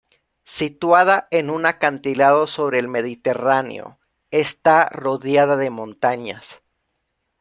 Situada en un acantilado sobre el Mediterráneo, está rodeada de montañas.